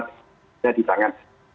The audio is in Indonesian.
saya di tangan